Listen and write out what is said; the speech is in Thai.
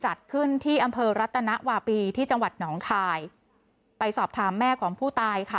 จัดขึ้นที่อำเภอรัตนวาปีที่จังหวัดหนองคายไปสอบถามแม่ของผู้ตายค่ะ